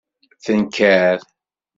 Tenker.